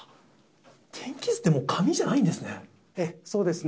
天気図って、もう紙じゃないそうですね。